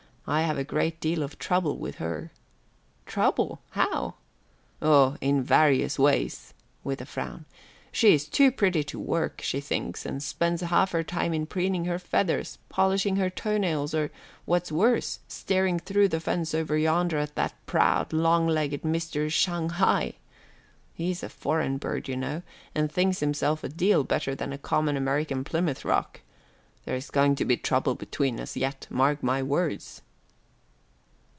I have a great deal of trouble with her." "Trouble how?" "Oh, in various ways," with a frown. "She is too pretty to work, she thinks, and spends half her time in preening her feathers, polishing her toe nails, or, what's worse, staring through the fence over yonder at that proud, long legged Mr. Shanghai. He's a foreign bird, you know, and thinks himself a deal better than a common American Plymouth Rock. There's going to be trouble between us yet, mark my words."